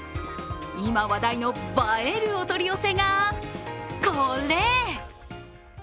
今、話題の映えるお取り寄せがこれ！